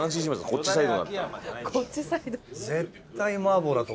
「こっちサイド」。